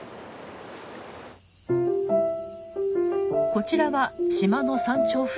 こちらは島の山頂付近。